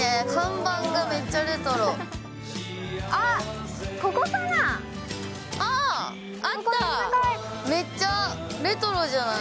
あっ、ここかな。